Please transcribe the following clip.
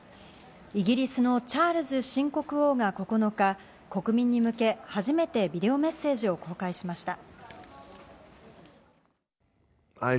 イギリスのチャールズ新国王が９日、国民に向け、初めてビデオメッセージを公開しました。